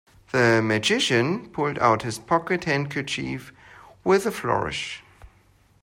The magician pulled out his pocket handkerchief with a flourish.